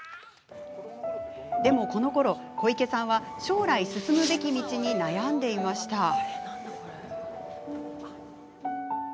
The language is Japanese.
でもこのころ、小池さんは将来進むべき道に悩んでいました。